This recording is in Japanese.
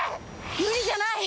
無理じゃない！